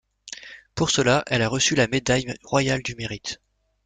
Pour cela, elle a reçu la Médaille royale du mérite.